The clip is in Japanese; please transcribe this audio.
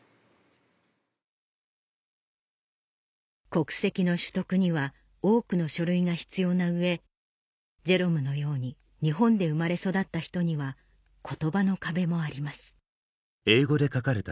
国籍の取得には多くの書類が必要な上ジェロムのように日本で生まれ育った人には言葉の壁もあります